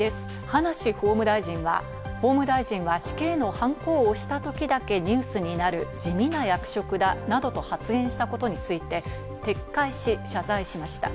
葉梨法務大臣は、法務大臣は死刑のはんこを押したときだけニュースになる地味な役職だなどと発言したことについて、撤回し、謝罪しました。